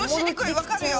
わかるよ。